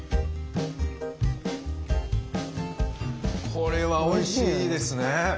これはおいしいですね。